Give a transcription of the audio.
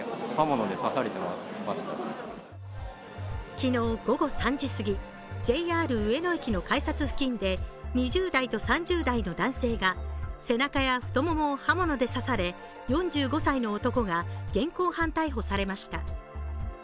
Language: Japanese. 昨日午後３時過ぎ、ＪＲ上野駅の改札付近で２０代と３０代の男性が背中や太ももを刃物で刺され４５歳の男が現行犯逮捕されました。